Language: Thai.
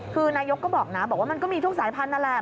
คือนายกก็บอกนะบอกว่ามันก็มีทุกสายพันธุ์นั่นแหละ